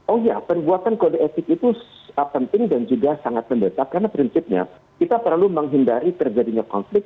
oh ya perbuatan kode etik itu penting dan juga sangat mendesak karena prinsipnya kita perlu menghindari terjadinya konflik